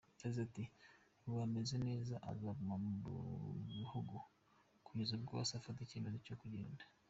Yagize ati “Ubu ameze neza, azaguma mu gihugu kugeza ubwo azafata icyemezo cyo kugenda.